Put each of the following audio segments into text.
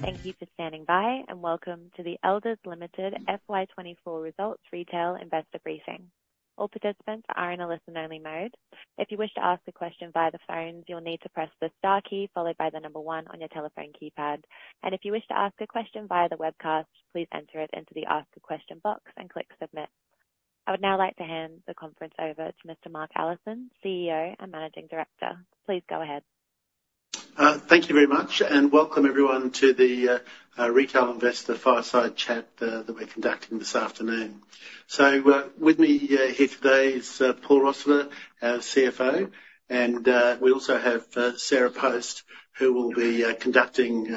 Thank you for standing by, and welcome to the Elders Limited FY24 Results Retail Investor Briefing. All participants are in a listen-only mode. If you wish to ask a question via the phone, you'll need to press the star key followed by the number one on your telephone keypad. And if you wish to ask a question via the webcast, please enter it into the Ask a Question box and click Submit. I would now like to hand the conference over to Mr. Mark Allison, CEO and Managing Director. Please go ahead. Thank you very much, and welcome everyone to the Retail Investor Fireside Chat that we're conducting this afternoon. So with me here today is Paul Rossiter, our CFO, and we also have Sarah Post, who will be conducting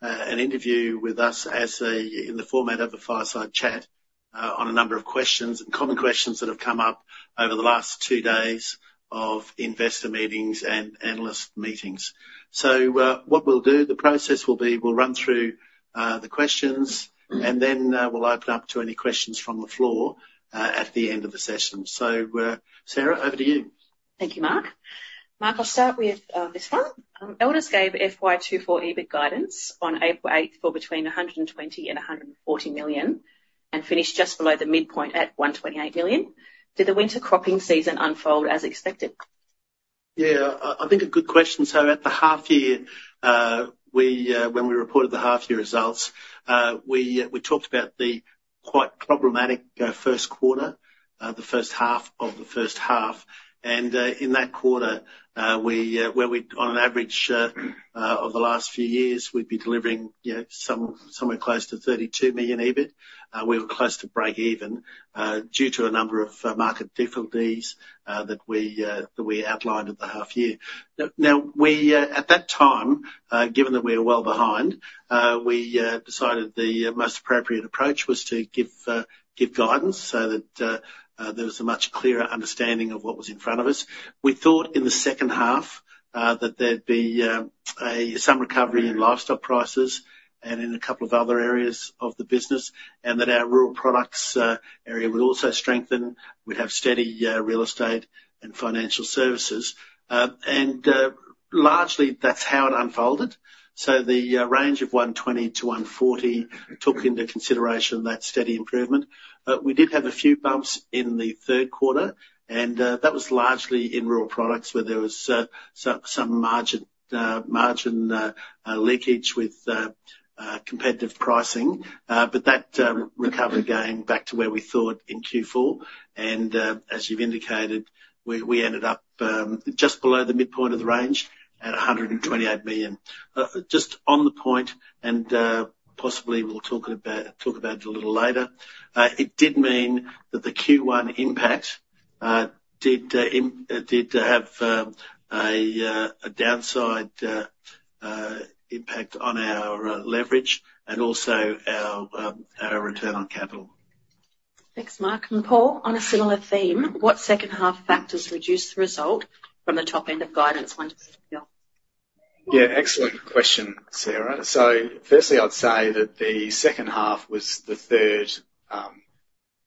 an interview with us in the format of a fireside chat on a number of questions and common questions that have come up over the last two days of investor meetings and analyst meetings. So what we'll do, the process will be we'll run through the questions, and then we'll open up to any questions from the floor at the end of the session. So Sarah, over to you. Thank you, Mark. Mark, I'll start with this one. Elders gave FY24 EBIT guidance on April 8 for between 120 million and 140 million and finished just below the midpoint at 128 million. Did the winter cropping season unfold as expected? Yeah, I think a good question. So at the half-year, when we reported the half-year results, we talked about the quite problematic first quarter, the first half of the first half. And in that quarter, where we on average over the last few years, we'd be delivering somewhere close to 32 million EBIT, we were close to break-even due to a number of market difficulties that we outlined at the half-year. Now, at that time, given that we were well behind, we decided the most appropriate approach was to give guidance so that there was a much clearer understanding of what was in front of us. We thought in the second half that there'd be some recovery in livestock prices and in a couple of other areas of the business, and that our rural products area would also strengthen. We'd have steady real estate and financial services. Largely, that's how it unfolded. The range of 120 million-140 million took into consideration that steady improvement. We did have a few bumps in the third quarter, and that was largely in rural products where there was some margin leakage with competitive pricing, but that recovery gained back to where we thought in Q4. As you've indicated, we ended up just below the midpoint of the range at 128 million. Just on the point, and possibly we'll talk about it a little later, it did mean that the Q1 impact did have a downside impact on our leverage and also our return on capital. Thanks, Mark. And Paul, on a similar theme, what second-half factors reduced the result from the top-end of guidance? Yeah, excellent question, Sarah. So firstly, I'd say that the second half was the third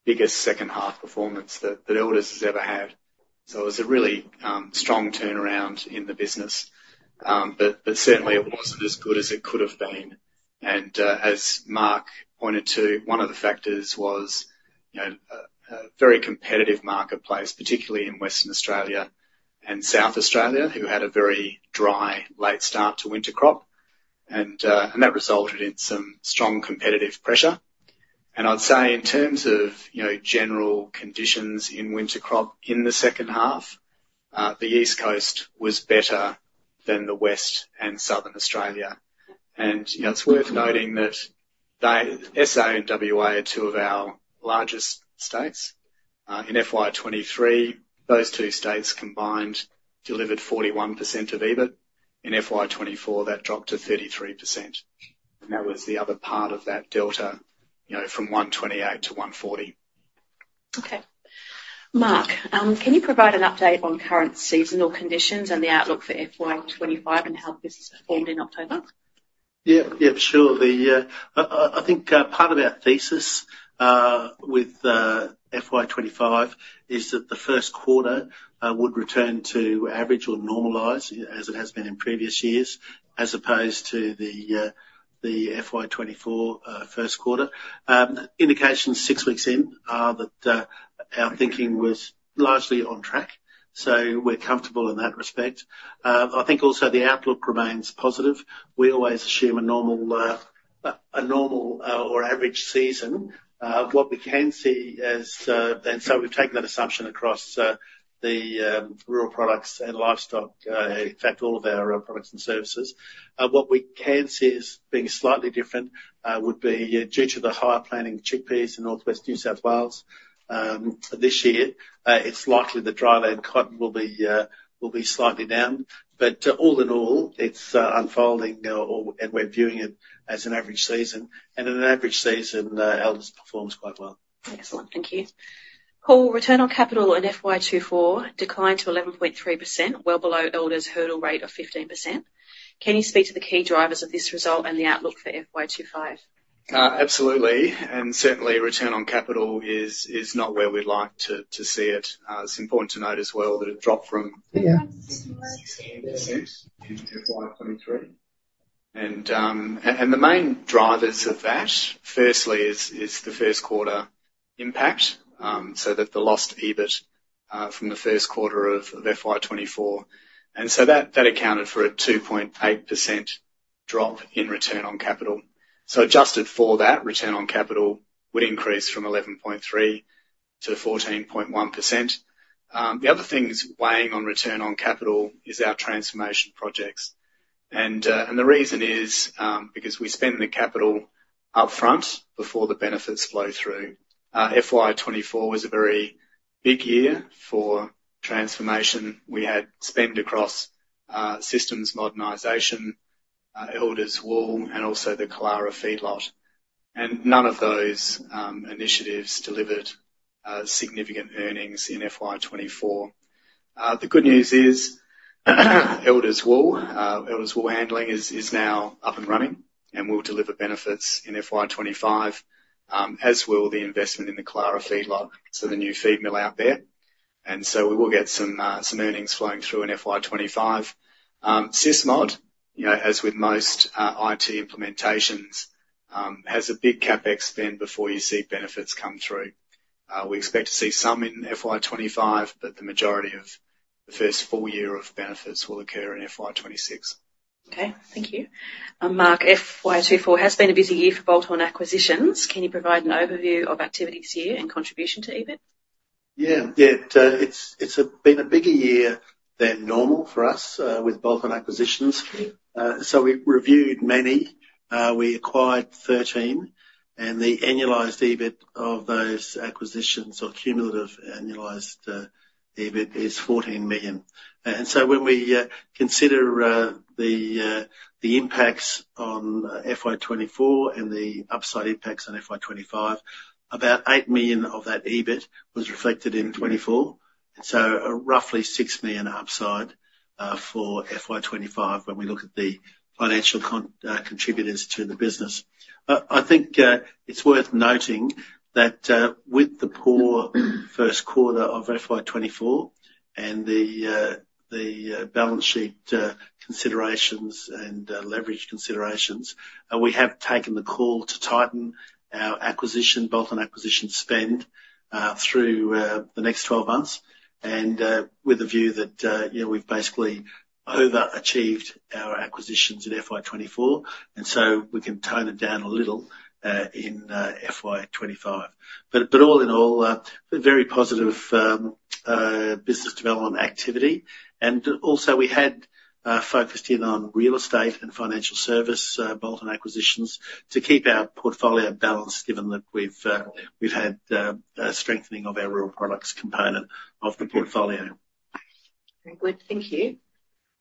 biggest second-half performance that Elders has ever had. So it was a really strong turnaround in the business, but certainly it wasn't as good as it could have been. And as Mark pointed to, one of the factors was a very competitive marketplace, particularly in Western Australia and South Australia, who had a very dry late start to winter crop. And that resulted in some strong competitive pressure. And I'd say in terms of general conditions in winter crop in the second half, the East Coast was better than the West and Southern Australia. And it's worth noting that SA and WA are two of our largest states. In FY 2023, those two states combined delivered 41% of EBIT. In FY 2024, that dropped to 33%. That was the other part of that delta from 128 to 140. Okay. Mark, can you provide an update on current seasonal conditions and the outlook for FY25 and how the business performed in October? Yeah, yeah, sure. I think part of our thesis with FY25 is that the first quarter would return to average or normalize as it has been in previous years, as opposed to the FY24 first quarter. Indications six weeks in are that our thinking was largely on track. So we're comfortable in that respect. I think also the outlook remains positive. We always assume a normal or average season. What we can see is, and so we've taken that assumption across the rural products and livestock, in fact, all of our products and services. What we can see as being slightly different would be due to the higher planting of chickpeas in Northwest New South Wales this year. It's likely the dryland cotton will be slightly down. But all in all, it's unfolding, and we're viewing it as an average season. And in an average season, Elders performs quite well. Excellent. Thank you. Paul, return on capital in FY24 declined to 11.3%, well below Elders' hurdle rate of 15%. Can you speak to the key drivers of this result and the outlook for FY25? Absolutely. And certainly, return on capital is not where we'd like to see it. It's important to note as well that it dropped from 10% in FY23. And the main drivers of that, firstly, is the first quarter impact. So the lost EBIT from the first quarter of FY24. And so that accounted for a 2.8% drop in return on capital. So adjusted for that, return on capital would increase from 11.3% to 14.1%. The other things weighing on return on capital is our transformation projects. And the reason is because we spend the capital upfront before the benefits flow through. FY24 was a very big year for transformation. We had spend across Systems Modernizationion, Elders Wool, and also the Killara Feedlot. And none of those initiatives delivered significant earnings in FY24. The good news is Elders Wool, Elders Wool Handling is now up and running and will deliver benefits in FY25, as will the investment in the Killara Feedlot, so the new feed mill out there, and so we will get some earnings flowing through in FY25. SysMod, as with most IT implementations, has a big CapEx spend before you see benefits come through. We expect to see some in FY25, but the majority of the first full year of benefits will occur in FY26. Okay. Thank you. Mark, FY24 has been a busy year for bolt-on acquisitions. Can you provide an overview of activities here and contribution to EBIT? Yeah, it's been a bigger year than normal for us with bolt-on acquisitions. So we reviewed many. We acquired 13, and the annualized EBIT of those acquisitions, or cumulative annualized EBIT, is 14 million. And so when we consider the impacts on FY24 and the upside impacts on FY25, about 8 million of that EBIT was reflected in '24. So roughly 6 million upside for FY25 when we look at the financial contributors to the business. I think it's worth noting that with the poor first quarter of FY24 and the balance sheet considerations and leverage considerations, we have taken the call to tighten our bolt-on acquisition spend through the next 12 months with a view that we've basically overachieved our acquisitions in FY24. And so we can tone it down a little in FY25. But all in all, very positive business development activity. We had focused in on real estate and financial services, bolt-on acquisitions, to keep our portfolio balanced given that we've had strengthening of our rural products component of the portfolio. Very good. Thank you.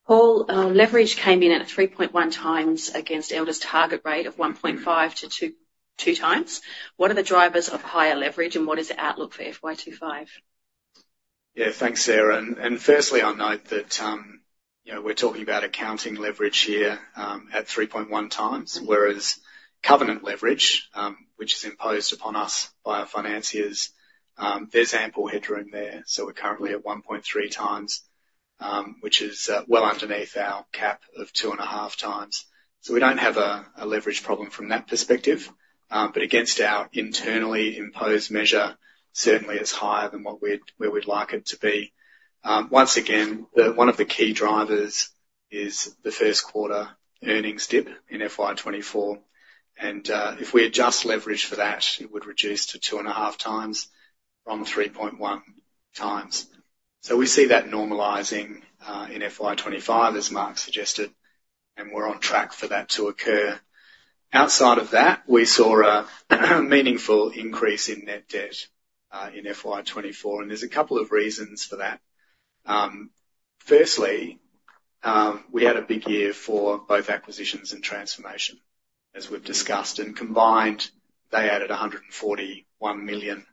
Paul, leverage came in at 3.1 times against Elders' target rate of 1.5-2 times. What are the drivers of higher leverage, and what is the outlook for FY25? Yeah, thanks, Sarah. And firstly, I'll note that we're talking about accounting leverage here at 3.1 times, whereas covenant leverage, which is imposed upon us by our financiers, there's ample headroom there. So we're currently at 1.3 times, which is well underneath our cap of two and a half times. So we don't have a leverage problem from that perspective, but against our internally imposed measure, certainly it's higher than where we'd like it to be. Once again, one of the key drivers is the first quarter earnings dip in FY24. And if we adjust leverage for that, it would reduce to two and a half times from 3.1 times. So we see that normalizing in FY25, as Mark suggested, and we're on track for that to occur. Outside of that, we saw a meaningful increase in net debt in FY24, and there's a couple of reasons for that. Firstly, we had a big year for both acquisitions and transformation, as we've discussed, and combined, they added 141 million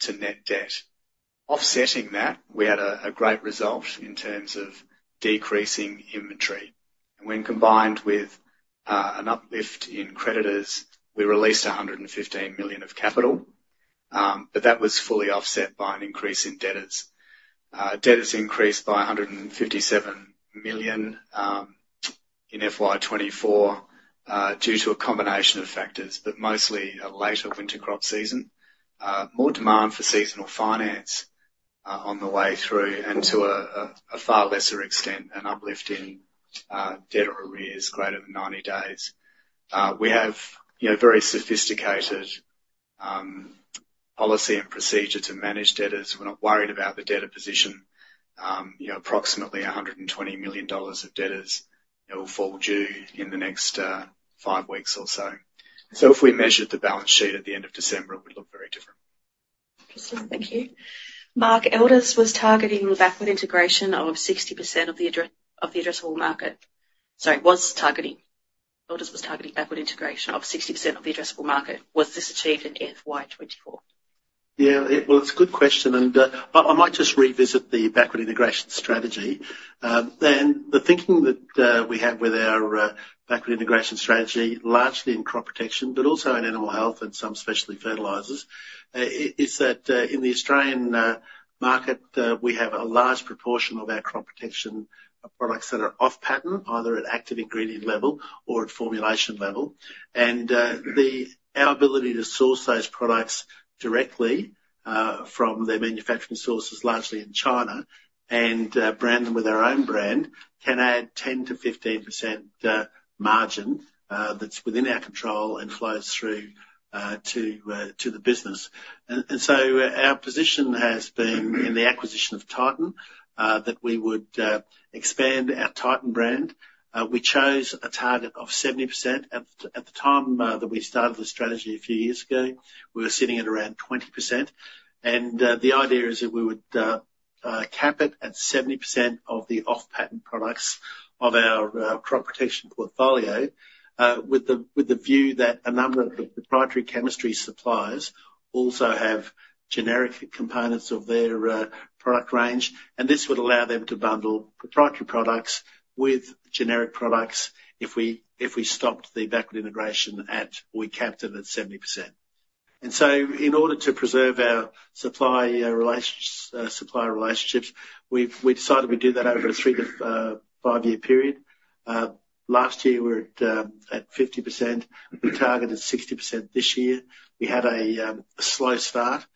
to net debt. Offsetting that, we had a great result in terms of decreasing inventory. And when combined with an uplift in creditors, we released 115 million of capital, but that was fully offset by an increase in debtors. Debtors increased by 157 million in FY24 due to a combination of factors, but mostly a later winter crop season. More demand for seasonal finance on the way through, and to a far lesser extent, an uplift in debtor arrears greater than 90 days. We have very sophisticated policy and procedure to manage debtors. We're not worried about the debtor position. Approximately 120 million dollars of debtors will fall due in the next five weeks or so. So if we measured the balance sheet at the end of December, it would look very different. Interesting. Thank you. Mark, Elders was targeting backward integration of 60% of the addressable market. Sorry, was targeting. Elders was targeting backward integration of 60% of the addressable market. Was this achieved in FY24? Yeah, well, it's a good question. And I might just revisit the backward integration strategy. And the thinking that we have with our backward integration strategy, largely in crop protection, but also in animal health and some specialty fertilizers, is that in the Australian market, we have a large proportion of our crop protection products that are off-patent, either at active ingredient level or at formulation level. And our ability to source those products directly from their manufacturing sources, largely in China, and brand them with our own brand can add 10%-15% margin that's within our control and flows through to the business. And so our position has been in the acquisition of Titan, that we would expand our Titan brand. We chose a target of 70%. At the time that we started the strategy a few years ago, we were sitting at around 20%. And the idea is that we would cap it at 70% of the off-patent products of our crop protection portfolio, with the view that a number of the proprietary chemistry suppliers also have generic components of their product range. And this would allow them to bundle proprietary products with generic products if we stopped the backward integration at or we capped it at 70%. And so in order to preserve our supplier relationships, we decided we'd do that over a three to five-year period. Last year, we were at 50%. We targeted 60% this year. We had a slow start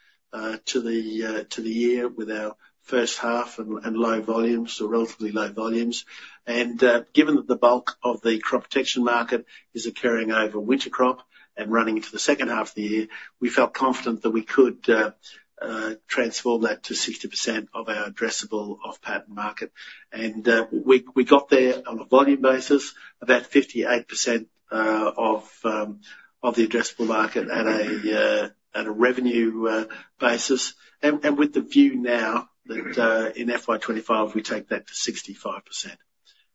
to the year with our first half and low volumes, or relatively low volumes. Given that the bulk of the crop protection market is occurring over winter crop and running into the second half of the year, we felt confident that we could transform that to 60% of our addressable off-patent market. We got there on a volume basis, about 58% of the addressable market at a revenue basis. With the view now that in FY25, we take that to 65%.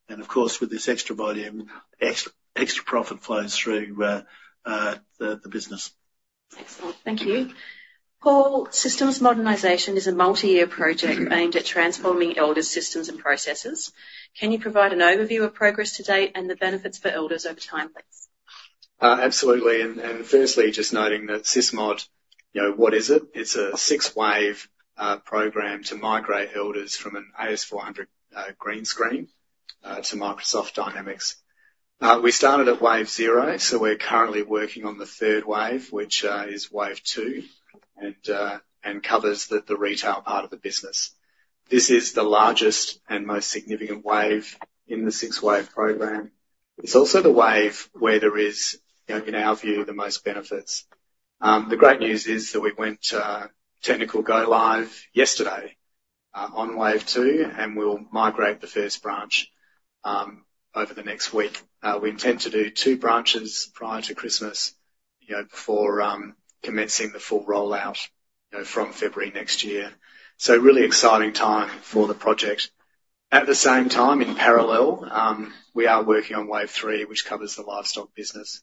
Of course, with this extra volume, extra profit flows through the business. Excellent. Thank you. Paul, Systems Modernizationion is a multi-year project aimed at transforming Elders' systems and processes. Can you provide an overview of progress to date and the benefits for Elders over time, please? Absolutely. And firstly, just noting that SysMod, what is it? It's a six-wave program to migrate Elders from an AS400 green screen to Microsoft Dynamics. We started at wave zero, so we're currently working on the third wave, which is wave two and covers the retail part of the business. This is the largest and most significant wave in the six-wave program. It's also the wave where there is, in our view, the most benefits. The great news is that we went technical go-live yesterday on wave two, and we'll migrate the first branch over the next week. We intend to do two branches prior to Christmas before commencing the full rollout from February next year. So really exciting time for the project. At the same time, in parallel, we are working on wave three, which covers the livestock business.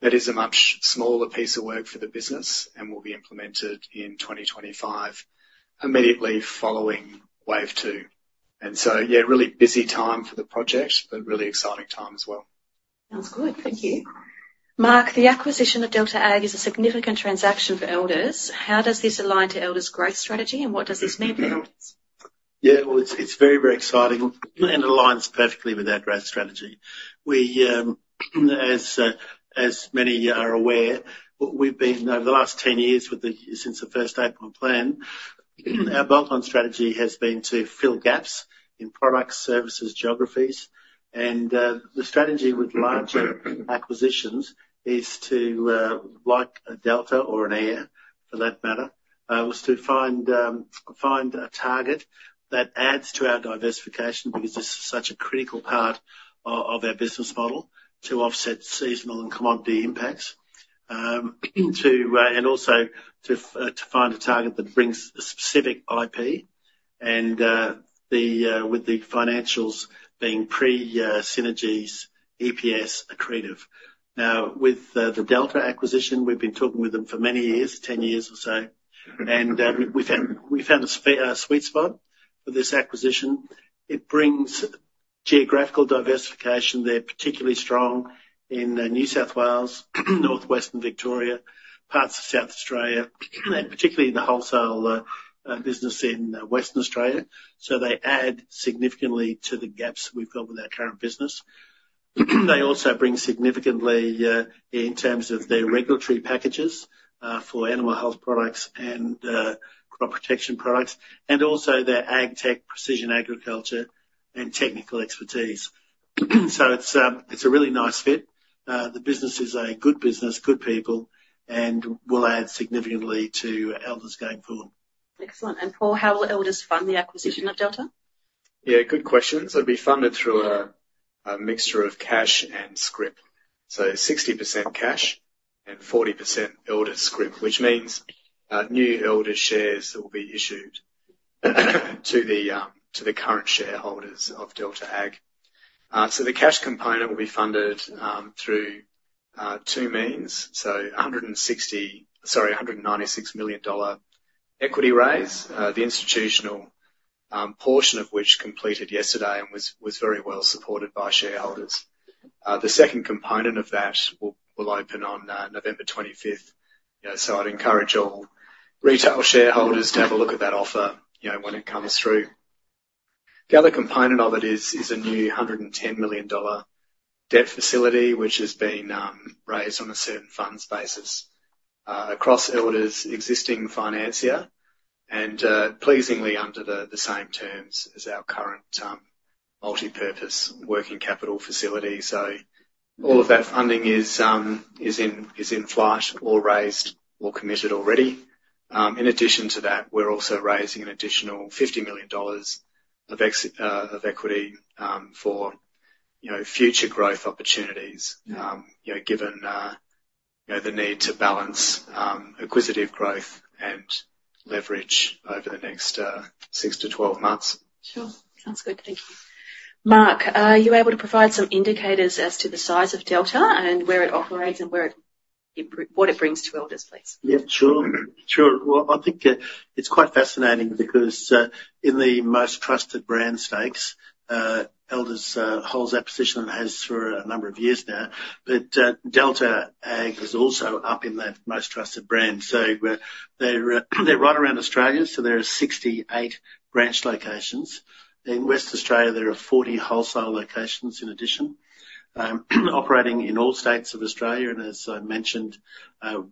That is a much smaller piece of work for the business and will be implemented in 2025, immediately following wave two. And so, yeah, really busy time for the project, but really exciting time as well. Sounds good. Thank you. Mark, the acquisition of Delta Ag is a significant transaction for Elders. How does this align to Elders' growth strategy, and what does this mean for Elders? Yeah, well, it's very, very exciting and aligns perfectly with our growth strategy. As many are aware, we've been over the last 10 years since the first Eight Point Plan, our bolt-on strategy has been to fill gaps in products, services, geographies, and the strategy with larger acquisitions is to, like a Delta or an AIRR for that matter, was to find a target that adds to our diversification because it's such a critical part of our business model to offset seasonal and commodity impacts, and also to find a target that brings a specific IP and with the financials being pre-synergies EPS accretive. Now, with the Delta acquisition, we've been talking with them for many years, 10 years or so, and we found a sweet spot for this acquisition. It brings geographical diversification. They're particularly strong in New South Wales, Northwestern Victoria, parts of South Australia, and particularly the wholesale business in Western Australia. So they add significantly to the gaps we've got with our current business. They also bring significantly in terms of their regulatory packages for animal health products and crop protection products, and also their agtech precision agriculture and technical expertise. So it's a really nice fit. The business is a good business, good people, and will add significantly to Elders going forward. Excellent. And Paul, how will Elders fund the acquisition of Delta? Yeah, good question. So it'll be funded through a mixture of cash and scrip. So 60% cash and 40% Elders scrip, which means new Elders shares that will be issued to the current shareholders of Delta Ag. So the cash component will be funded through two means. So 196 million dollar equity raise, the institutional portion of which completed yesterday and was very well supported by shareholders. The second component of that will open on November 25th. So I'd encourage all retail shareholders to have a look at that offer when it comes through. The other component of it is a new 110 million dollar debt facility, which has been raised on a certain funds basis across Elders' existing financier and pleasingly under the same terms as our current multipurpose working capital facility. So all of that funding is in flight or raised or committed already. In addition to that, we're also raising an additional 50 million dollars of equity for future growth opportunities given the need to balance acquisitive growth and leverage over the next six to 12 months. Sure. Sounds good. Thank you. Mark, are you able to provide some indicators as to the size of Delta and where it operates and what it brings to Elders, please? Yeah, sure. Sure. Well, I think it's quite fascinating because in the most trusted brand stakes, Elders holds that position and has for a number of years now. But Delta Ag is also up in that most trusted brand. So they're right around Australia, so there are 68 branch locations. In Western Australia, there are 40 wholesale locations in addition, operating in all states of Australia. And as I mentioned,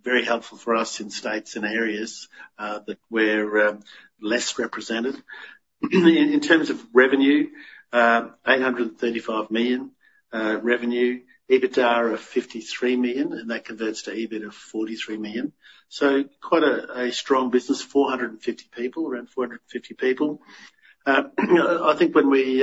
very helpful for us in states and areas that we're less represented. In terms of revenue, 835 million revenue, EBITDA of 53 million, and that converts to EBIT of 43 million. So quite a strong business, 450 people, around 450 people. I think when we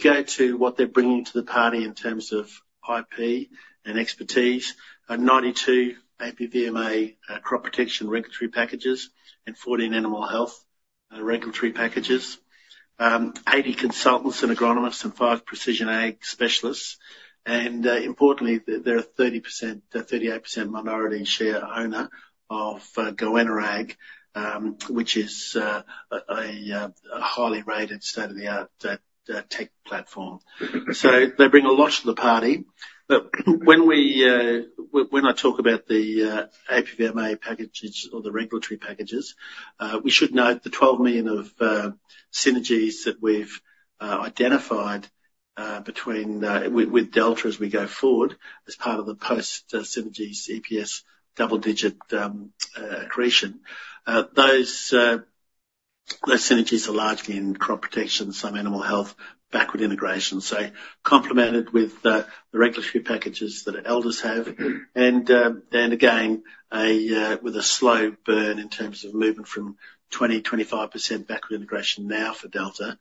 go to what they're bringing to the party in terms of IP and expertise, 92 APVMA crop protection regulatory packages and 14 animal health regulatory packages, 80 consultants and agronomists and five precision ag specialists. And importantly, they're a 38% minority share owner of Goanna Ag, which is a highly rated state-of-the-art tech platform. So they bring a lot to the party. When I talk about the APVMA packages or the regulatory packages, we should note the AUD 12 million of synergies that we've identified with Delta as we go forward as part of the post-synergies EPS double-digit accretion. Those synergies are largely in crop protection, some animal health, backward integration. So complemented with the regulatory packages that Elders have. And again, with a slow burn in terms of movement from 20%-25% backward integration now for Delta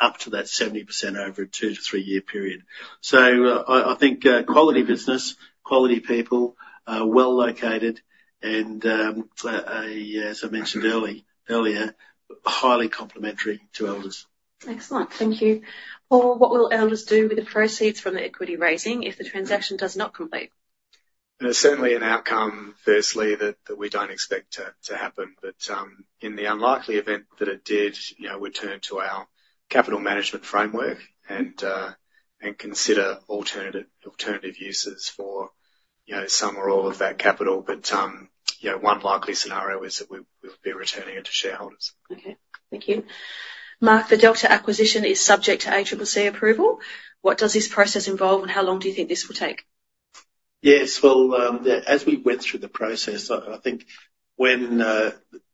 up to that 70% over a two to three-year period. So I think quality business, quality people, well located, and, as I mentioned earlier, highly complementary to Elders. Excellent. Thank you. Paul, what will Elders do with the proceeds from the equity raising if the transaction does not complete? Certainly an outcome, firstly, that we don't expect to happen. But in the unlikely event that it did, we'd turn to our capital management framework and consider alternative uses for some or all of that capital. But one likely scenario is that we'll be returning it to shareholders. Okay. Thank you. Mark, the Delta acquisition is subject to ACCC approval. What does this process involve, and how long do you think this will take? Yes. Well, as we went through the process, I think when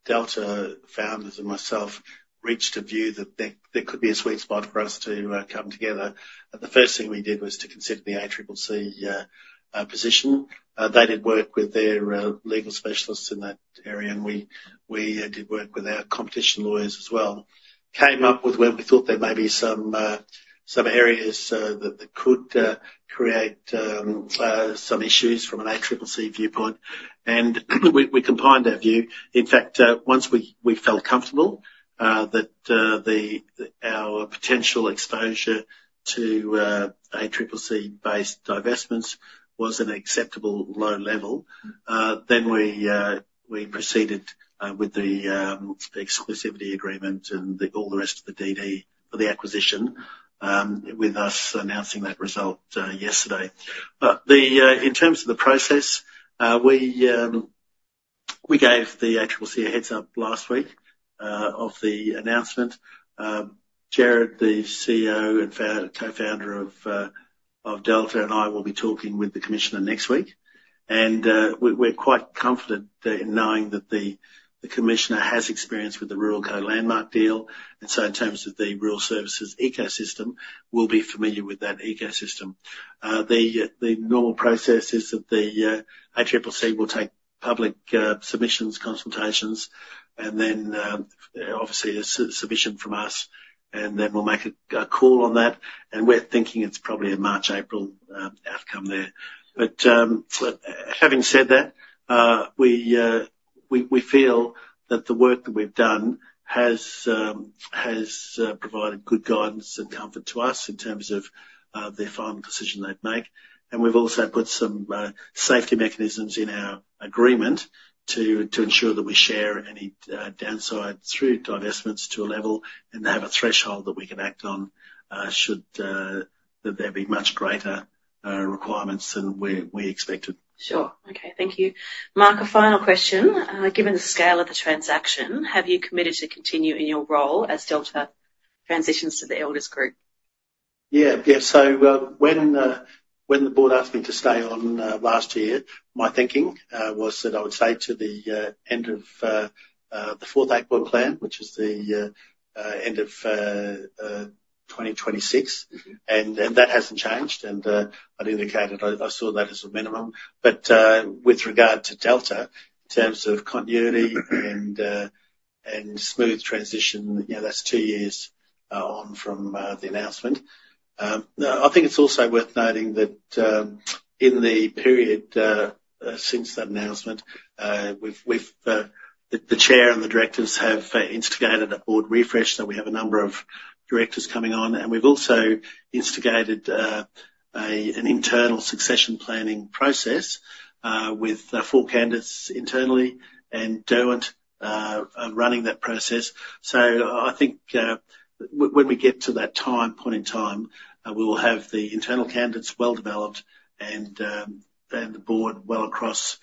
Delta founders and myself reached a view that there could be a sweet spot for us to come together, the first thing we did was to consider the ACCC position. They did work with their legal specialists in that area, and we did work with our competition lawyers as well. Came up with where we thought there may be some areas that could create some issues from an ACCC viewpoint, and we combined our view. In fact, once we felt comfortable that our potential exposure to ACCC-based divestments was an acceptable low level, then we proceeded with the exclusivity agreement and all the rest of the DD for the acquisition with us announcing that result yesterday. But in terms of the process, we gave the ACCC a heads-up last week of the announcement. Gerard, the CEO and co-founder of Delta, and I will be talking with the commissioner next week. And we're quite confident in knowing that the commissioner has experience with the Ruralco-Landmark deal. And so in terms of the rural services ecosystem, we'll be familiar with that ecosystem. The normal process is that the ACCC will take public submissions, consultations, and then obviously a submission from us, and then we'll make a call on that. And we're thinking it's probably a March-April outcome there. But having said that, we feel that the work that we've done has provided good guidance and comfort to us in terms of the final decision they'd make. We've also put some safety mechanisms in our agreement to ensure that we share any downside through divestments to a level and have a threshold that we can act on should there be much greater requirements than we expected. Sure. Okay. Thank you. Mark, a final question. Given the scale of the transaction, have you committed to continue in your role as Delta transitions to the Elders group? Yeah. Yeah. So when the board asked me to stay on last year, my thinking was that I would stay to the end of the fourth Eight Point Plan, which is the end of 2026. And that hasn't changed. And I'd indicated I saw that as a minimum. But with regard to Delta, in terms of continuity and smooth transition, that's two years on from the announcement. I think it's also worth noting that in the period since that announcement, the chair and the directors have instigated a board refresh. So we have a number of directors coming on. And we've also instigated an internal succession planning process with four candidates internally and Derwent running that process. So I think when we get to that point in time, we will have the internal candidates well developed and the board well across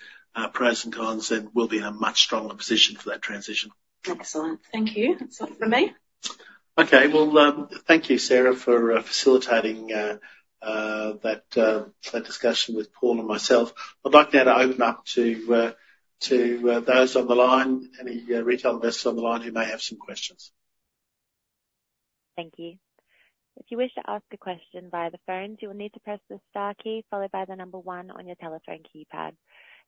pros and cons, and we'll be in a much stronger position for that transition. Excellent. Thank you. That's all from me. Okay. Well, thank you, Sarah, for facilitating that discussion with Paul and myself. I'd like now to open up to those on the line, any retail investors on the line who may have some questions. Thank you. If you wish to ask a question via the phone, you will need to press the star key followed by the number one on your telephone keypad.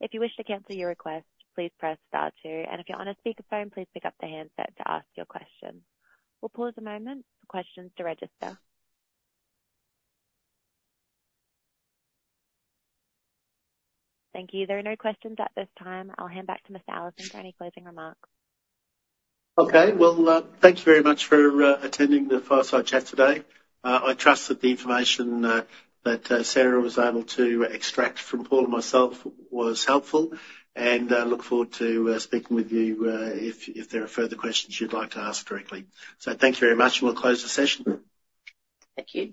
If you wish to cancel your request, please press star two, and if you're on a speakerphone, please pick up the handset to ask your question. We'll pause a moment for questions to register. Thank you. There are no questions at this time. I'll hand back to Mr. Allison for any closing remarks. Okay, well, thanks very much for attending the fireside chat today. I trust that the information that Sarah was able to extract from Paul and myself was helpful, and I look forward to speaking with you if there are further questions you'd like to ask directly, so thank you very much, and we'll close the session. Thank you.